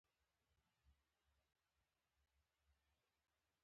زه په کتابچه کې لیکم.